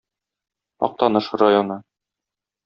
Актаныш районы